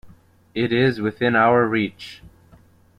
It is within our reach.